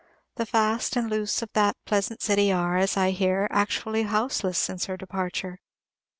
The fast and loose of that pleasant city are, as I hear, actually houseless since her departure.